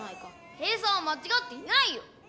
計算はまちがっていないよ！